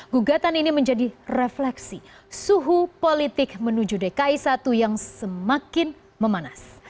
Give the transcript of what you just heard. gugatan ini menjadi refleksi suhu politik menuju dki satu yang semakin memanas